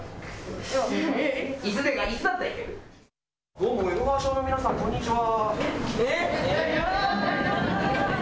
どうも、江戸川小の皆さん、こんにちは。